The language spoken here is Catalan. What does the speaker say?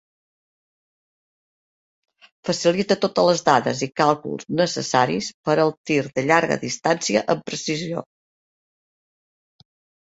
Facilita totes les dades i càlculs necessaris per al tir de llarga distància amb precisió.